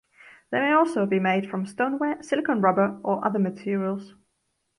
They may also be made from stoneware, silicone rubber, or other materials.